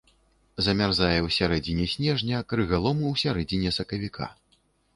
Замярзае ў сярэдзіне снежня, крыгалом у сярэдзіне сакавіка.